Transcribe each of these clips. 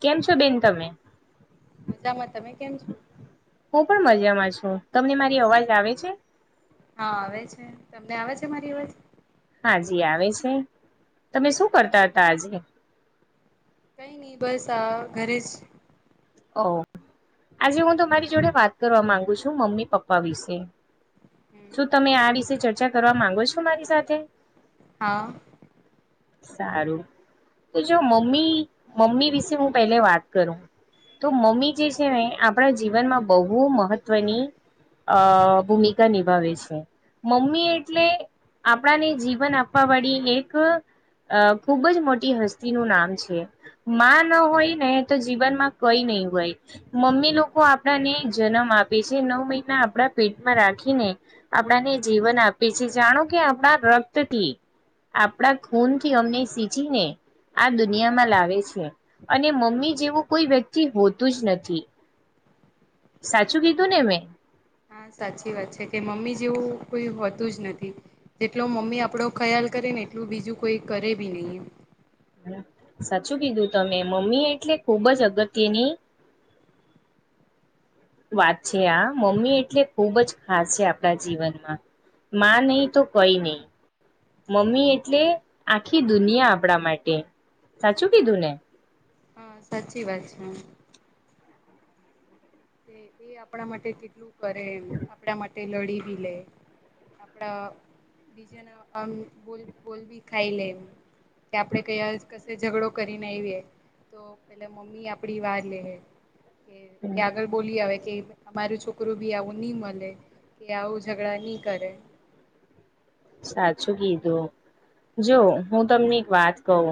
કેમ છો બેન તમે? મજામાં. તમે કેમ છો? હું પણ મજામાં છું. તમને મારી અવાજ આવે છે? હા, આવે છે. તમને આવે છે, મારી અવાજ? હાજી આવે છે. તમે શું કરતા હતા આજે? કઈ નઈ બસ આ ઘરે જ ઓ આજે હું તમારી જોડે વાત કરવા માંગુ છું, મમ્મી પપ્પા વિશે. શું તમે આ વિશે ચર્ચા કરવા માંગો છો મારી સાથે? હા. સારું તો જો મમ્મી મમ્મી વિશે હું પેલે વાત કરું. તો મમ્મી જે છે ને આપણા જીવનમાં બહુ મહત્વની અહ ભૂમિકા નિભાવે છે. મમ્મી એટલે આપણાને જીવન આપવા વાળી એક અહ ખુબ જ મોટી હસ્તી નું નામ છે. માં ન હોય ને તો જીવનમાં કઈ નહી હોય મમ્મી લોકો આપણાને જન્મ આપે છે નવ મહિના આપડા પેટમાં રાખ ખીને આપણાને જીવન આપીએ છે જાણો કે આપડા રક્તથી આપડા ખૂન થી અમને સીચીને આ દુનિયામાં લાવે છે અને મમ્મી જેવું કોઈ વ્યક્ તી હોતું જ નથી. સાચું કીધું ને મેં? હા, સાચી વાત છે કે મમ્મી જેવું કોઈ હોતું જ નથી. જેટલો મમ્મી આપડો ખ્યાલ ક રે ને એટલું બીજું કોઈ કરે બે નહી. સાચું કીધું તમે મમ્મી એટલે ખુબ જ અગત્યની વાત છે આ મમ્મી એટલે ખુબ જ ખાસ છે આપડા જીવનમાં. માં નહી તો કોઈ નહીં. મમ્મી એટલે આખી દુનિયા આપડા માટે. સાચું કીધું ને? હા સાચી વાત છે. એ આપણા માટે કેટલું કરે, આપણા માટે લડીવી લે. આપડા બીજાના આમ બોલ બોલવી ખાઈ લે. કે આપણેે કયા કશે ઝઘડો કરીને આવીએ. તો પેલા મમ્મી આપડી વાર લે કે એ આગળ બોલી આવે. કે અમારું છોકરું બી આવું ની મળે કે આવું ઝઘડા ની કરે. સાચું કીધું, જો હું તમને એક વાત કહું.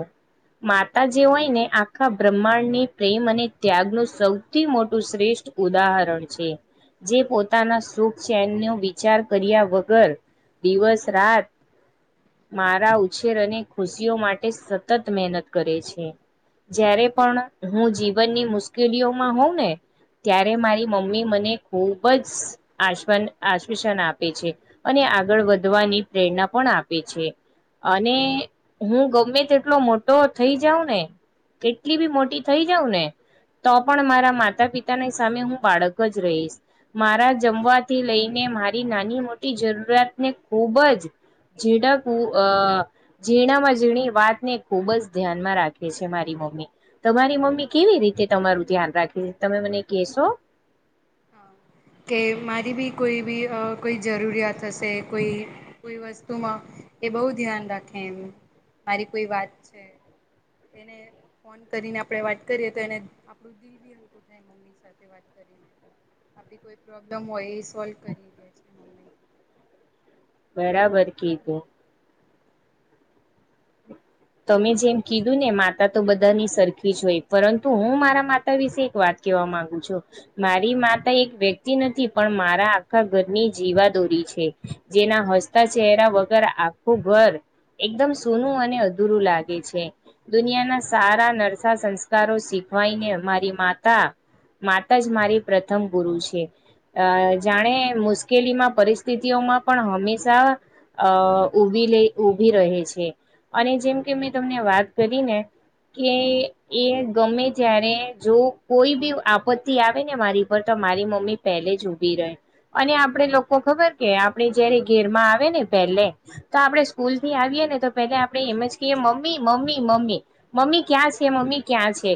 માતા જે હોય ને આખા બ્રહ્માંડની પ્રેમ અને ત્યાગનું સૌથી મોટું શ્રેષ્ઠ ઉદાહરણ છે. જે પોતાના સુખ ચેનનો વિચાર કર્યા વગર, દિવસ રાત. મારા ઉછેર અને ખુશીઓ માટે સતત મહેનત કરે છે. જયારે પણ હું જીવનની મુશ્કેલીઓમાં હોઉં ને ત્યારે મારી મમ્મી મને ખૂબ જ આશવન આશ્વાસન આપે છે અને આગળ વધવાની પ્રેરણા પણ આપે છે. અને હું ગમે તેટલો મોટો થઇ જાઉં ને કેટલી બી મોટી થઇ જાઉં ને તો પણ મારા માતા પિતાની સામે હું બાળક જ રહીશ મારા જમવાથી લઈને મારી નાની મોટી જરૂરિયાતને ખુબ જ ઝીડાકું અ ઝીણામાં ઝીણી વાતને ખુબ જ ધ્યાનમાં રાખે છે મારી મમ્મી. તમારી મમ્મી કેવી રીતે તમારું ધ્યાન રાખી તમે મને કેશો? કે મારી બી કોઈ બી અ કોઈ જરૂરિયાત હશે કોઈ કો વસ્તુમાં એ બહુ ધ્યાન રાખે એમ. મારી કોઈ વાત છે એને ફોન કરીને આપડે વાત કરીએ તો એને આપડું દિલ ભી હલકું થાય મમ્મી સાથે વાત કરીને આપડી કોઈ પ્રોબ્લેમ હોય એ સોલ્વ કરી દે છે મમ્મી. બરાબર કીધું. તમે જેમ કીધું ને માતા તો બધાની સરખી જ હોય પરંતુ હું મારા માતા વિશે એક વાત કેવા માંગુ છું. મારી માતા એક વ્યક્તિ નથી પણ મારા આખા ઘરની જીવાદોરી છે. જેના હસતા ચરા વગર આખું ઘર એકદમ સોનું અને અ રું લાગે છે. દુનિયાના સારા નરસા સંસ્કારો શીખવાઈને અમારી માતા માતા જ મારી પ્રથમ ગુરુ છે. અહ જાણે મુશ્કેલીમાં પરિસ્થિતિઓમાં પણ હંમેશા અહ ઉભી લે ઊભી રહે છે અને જેમ કે મેં તમને વાત કરી ને કે એ ગમે ત્યારે જો કોઈ બી આપત્તિ આવે ને મારી પર તો મારી મમ્મી પહેલે જ ઉભી રહે. અને આપડે લોકો ખબર કે આપડે જયારે ઘેરમાં આવે ને પહેલે તો આપડે સ્કૂલ થી આવીએ ને તો પેલા આપડે એમ જ કએ મમ્મી મમ્મી મમ્મી મમ્મી ક્યાં છે મમ્મી ક્યાં છે.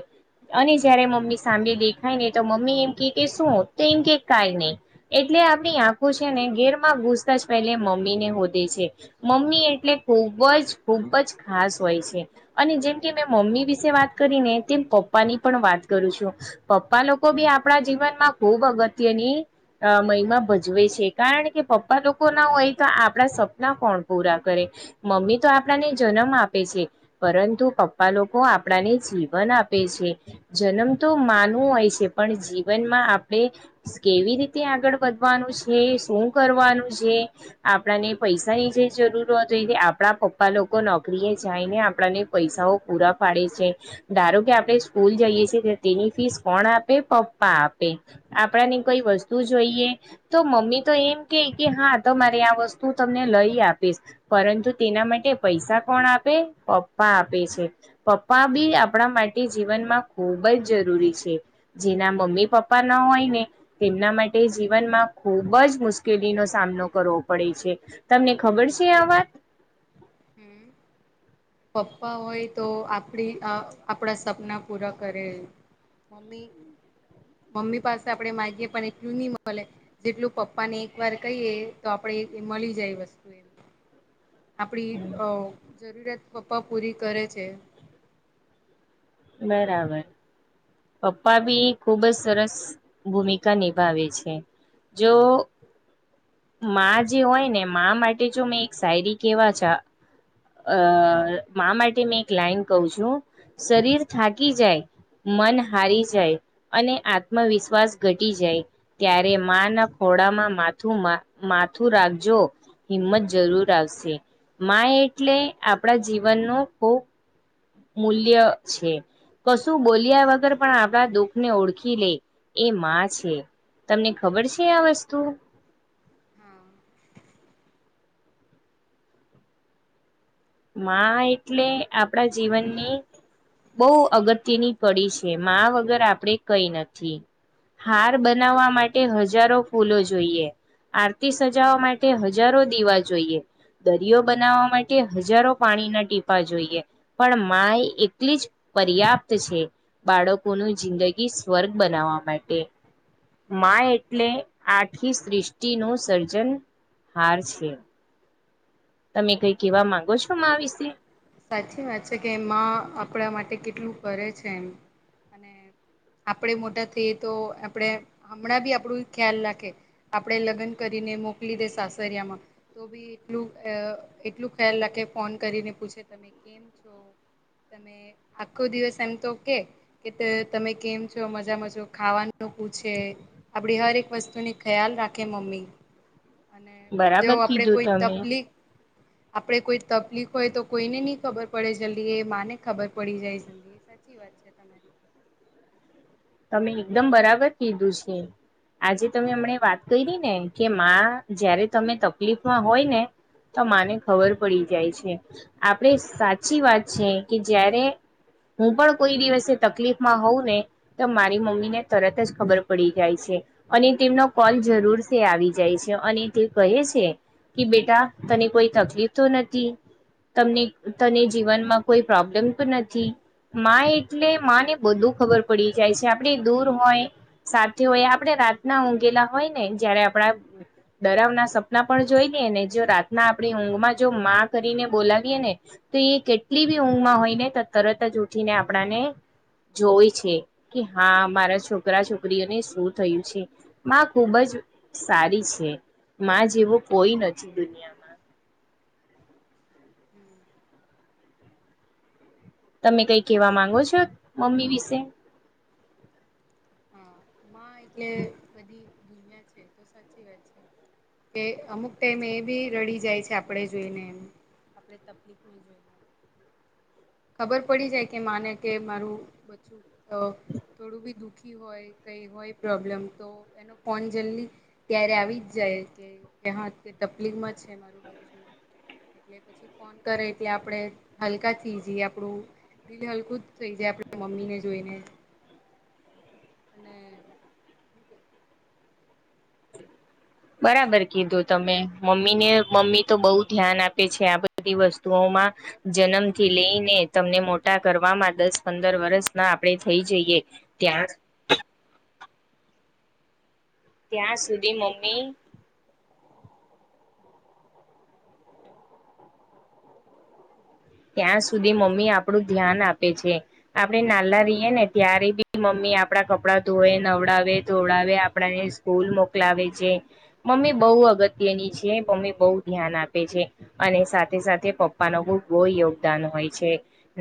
અને જયારે મમ્મી સામેં દેખાય ને તો મમ્મી એમ કે કે શું તો એમ કે કઈ નહી એ એટલે આપણી આંખો છે ને ઘેર માં ઘૂસતા જ પેલે મમ્મી ને હોદે છે મમ્મી એટલે ખૂબ વજ ખૂબ જ ખાસ હોય છે અને જેમ કે મેં મમ્મી વિશે વાત કરીને તેમ પપ્પાની પણ વાત કરું છું. પપ્પા લોકો બી આપડા જીવનમાં ખુબ અગત્યની અહ મહિમાં ભજવે છે કારણ કે પપ્પા લોકો ના હોય તો આપસાત સપના કોણ પૂરા કરે. મમ્મી તો આપ આપડા ને જન્મ આપે છે પરંતુ પપ્પા લોકો આપણાને જીવન આપે છે. જન્મ તો માનવું હોય છે પણ જીવનમાં આપડે કેવી રીતે આગળ વધવાનું છે શું કરવાનું છે આપડા ને પૈસાની જે જરૂરત હોય તે આપડા પપ્પા પા લોકો નોકરી જાય ને આપણાને પૈસાઓ પૂરા પાડે છે ધારો કે આપડે સ્કૂલ જઈએ તેસી ને તેની ફીસ કોણ આપે પપ્પા આપે આપણાને કોઈ વસ્તુ જોઈએ તો તો મમ્મી તો એમ કે કે હા તો મારે આ વસ્તુ તમને લઈ આપીશ પરંતુ તેના મા ટે પૈસા કોણ આપે પપ્પા આપે છે. પપ્પા બી આપડા માટે જીવનમાં ખૂબ જ જરૂરી છે. જેના મમ્મી પપ્પા ના હોય ને તેમના માટે જીવનમાં ખુબ જ મુશ્કેલીનો સામનો કરવો પડે છે. તમને ખબર છે આ વાત? હમ્મ. પપ્પા હોય તો આપડી અહ આપડા સપના પૂરા કરે એ. મમ્મી મમ્મી પાસે આપડે માગીએ પણ એટલું નહી મલે જેટલું પપ્પા ને એક વાર કહીએ તો આપડે તે મલી જાય એ વસ્તુ એમ. [inaudible] આપડી અહ જરૂરિયાત પપ્પા પૂરી કરે છે. બરાબર. પપ્પા બી ખુબ જ સરસ ભૂમિકા નિભાવે છે. જો માં જે હોય ને માં માટે જો મેં એક સાયરી કેવા છ અહ માં માટે મેં એક લાઈન કઉ છું. શરીર થાકી જાય મન હારી જાય અને આત્મવિશ્વાસ ઘટી જાય ત્યારે માં ના ખો ડામાં માથું માં માથું રાખજો હિંમત જરૂર આવશે. માં એટલે આપડા જીવનનો ખૂબ મૂલ્ય છે. કશું બોલ્યા વગર પણ આપડા દુઃખને ઓળખી લે એ માં છે. તમને ખબર છે આ વસ્તુ? હા. માં એટલે આપડા જીવનની બહુ અગત્યની પડી છે. માં વગર આપડે કઈ નથી. હાર બનાવવા માટે હજારો ફૂલો જોઈએ આરતી સજાવા માટે હજારો દીવા જોઈએ, દરિયો બનાવવા માટે હજારો પાણીના ટીપા જોઈએ, પણ માય એટલી જ પર્યાપ્ત છે બાળકોનું જિંદગી સ્વર્ગ બનાવવા માટે માય એટલે આખી સૃષ્ટિ નું સર્જન હાર છે તમે કઈ કેવા માંગો છો મા વિશે સાચી વાત છે કે મા આપણા માટે કેટલું કરે છે એમ અને આપડે મોટા થઈએ તો આપણે હમણાં બી આપણું ખ્યાલ રાખે, આપડે લગ્ન કરી મોકલી દે સાસરિયામાં તો બી એટલું એટલું ખ્યાલ રાખે ફોન કરીને પૂછે તમે કેમ છો? તમે આખો દિવસ એમ તો કે કે તમે કેમ છો મજા મજો ખાવાનું આપડી હર એક વસ્તુની ખ્યાલ રાખે મમ્મી [inaudible] અને જેવ બરાબર આપડે કીધું કોઈ તમે. તકલીક આપડે કોઈ તકલીફ હોય તો કોઈને નહી ખબર પડે જલ્દી એ માને ખબર પડી જાય જલ્દી સાચી વાત છે તમારી તમે એકદમ બરાબર કીધું છે. આજે તમે હમને વાત કરી ને કે માં જયારે તમે તકલીફમાં હોય ને તો મને ખબર પડી જાય છે આપણેે સાચી વાત છે કે જયારે હું પણ કોઈ દિવસે તકલીફ માં હોઉં ને તો મારી મમ્મી ને તરત જ ખબર પડી જાય છે અને તેમનો કોલ જરૂર સ આવી જાય છે. અને તે કહે છે કે બેટા તને કોઈ તકલીફ તો નથી તમને તને જીવનમાં કોઈ પ્રોબ્લેમ પણ નથી માં એટલે માં ને બધું ખબર પડ પડી જાય છે આપડી દૂર હોય સાથે હોય આપણે રાતના ઊઘેલા હોય ને જયારે આપણા ડરાવના સપના પણ જોઈ દઈએ ને જો રાતના આપણી ઊંઘમાં જો માં કરીને બોલાવીએ ને તો એ કેટલી બી ઊંઘમાં હોય ને તો તરત જ ઉઠીને આપણાને જોય છે. કે હા મારા છોકરા છોકરીઓને શું થયું છે માં ખુબ જ સારી છે. માં જેવો કોઈ નથી દુનિયામાં. હમ તમે કઈ કેવા માંગો છો મમ્મી વિશે? હા એટલે બધી દુનિયા છે તો સાચી વાત છે. કે અમુક ટાઈમ એ બી રડી જાય છે આપણે જોઈને એમ. આપણે તકલીફ ન જોઈને ખબર પડી જાય કે માને કે મારું બચ્ચું થોડું બી દુખી. હોય કઈ હોય પ્રોબ્લેમ તો એનો ફોન જલ્દી ત્યારે આવી જ જાય કે કે હા કે તકલીફમાં છે મારું બચ્ચું એટલે પછી ફોન કરે એટલે આપડે હલકા થઈ જઈએ આપડું દિલ હલકું જ થઈ જાય. આપ મમ્મી ને જોઈને. હ અને બરાબર કીધું તમે મમ્મી ને મમ્મી તો બઉુ ધ્યાન આપે છે આ બધી વસ્તુઓ માં જન્મથી લઈને તમને મોટા કરવામાં દસ પંદર વર્ષ ના આપડણે થઈ જઈએ ત્યાં જ [unintelligible] ત્યાં સુધી મમ્મી ત્યાં સુધી મમ્મી આપડું ધ્યાન આપે છે આપડે નાલા રહીએ ને ત્યારે બી મમ્મી આપડા કપડા ધોય નવડાવે ધોવડાવે આપડાને સ્કૂલ મોકલાવે છે મમ્મી બહુ અગત્યની છે મમ્મી બહુ ધ્યાન આપે છે અને સાથે સાથે પપ્પા ન બ બો યોગદાન હોય છે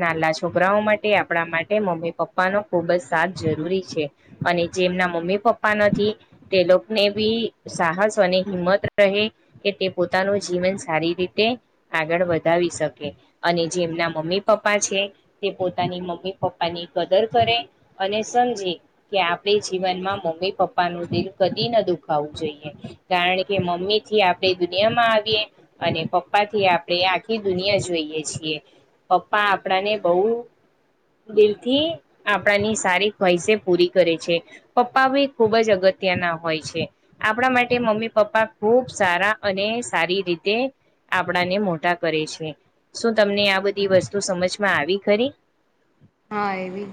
નાલા છોકરાઓ માટે આપણા માટે મમ્મી પપ્પા નો ખુબ જ સાર જરૂરી છે અને જેમના મમ્મી પપ્પા નથી તે લોકોને બી સાહસ હિંમત રહે કે તે પોતાનું જીવન સારી રીતે આગળ વધાવી શકે અને જે એમના મમ્મી પપ્પા છે તે પોતાની મમ્મી પપ્પાની કદર કરે અને સમજીે કે આપણે જીવનમાં મમ્મી પપ્પા નું દિલ કદી ન દુખાવું જોઈએ કારણ કે મમ્મી થી આપડે દુનિયા માં આવીએ અને પપ્પા થી આપણે આખી દુનિયા જ જોઈએ છીએ પપ્પા આપડાને બહ દિલથી આપણાની સારી ખ્વાઈસે પૂરી કરે છે પપ્પા ભી ખુબ જ અગત્ય અતના હોય છે આપણા માટે મમ્મી પપ્પા ખુબ સારા અને સારી રીતે આપણાને મોટા કરે છે શું તમને આ બધી વસ્તુ સમજમાં આવી ખરી? હા, એવી જ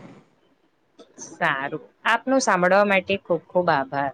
સારું, આપનું સાંભળવા માટે ખુબ ખુબ આભાર